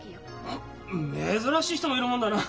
あっ珍しい人もいるもんだな。